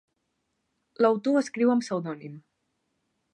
L'autor escriu amb pseudònim.